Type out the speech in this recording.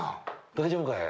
大丈夫かい？